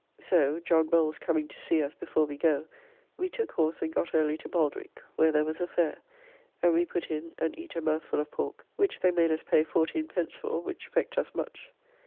So (John Bowles coming to see us before we go) we took horse and got early to Baldwick; where there was a fair, and we put in and eat a mouthfull of pork, which they made us pay 14d. for, which vexed us much.